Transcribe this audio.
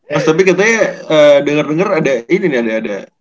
mas tapi katanya denger denger ada ini nih ada